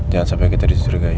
jangan sampai kita diserigai